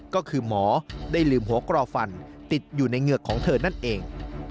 ก็คือหมอได้ลืมหัวกรอฟันติดอยู่ในเหงือกของเธอนั่นเอง